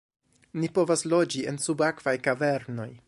"Ni povas loĝi en subakvaj kavernoj!"